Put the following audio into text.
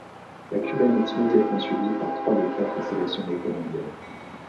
La Cubaine est immédiatement suivie par trois des quatre sélectionnées colombiennes.